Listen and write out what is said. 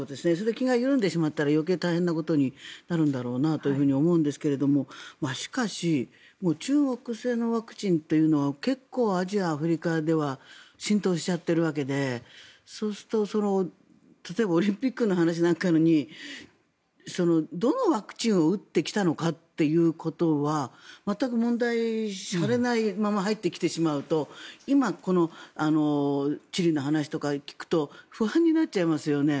気が緩んでしまったら余計大変なことになってしまうのではと思うんですけども、しかし中国製のワクチンというのは結構、アジア、アフリカでは浸透しちゃってるわけでそうすると、例えばオリンピックの話なんかのようにどのワクチンを打ってきたのかということは全く問題にされないまま入ってきてしまうと今、このチリの話とかを聞くと不安になっちゃいますよね。